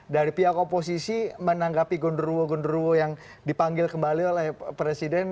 dari pihak oposisi menanggapi gondroo gondrowo yang dipanggil kembali oleh presiden